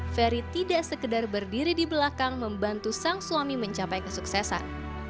ferry tidak sekedar berdiri di belakang membantu sang suami mencapai kesuksesan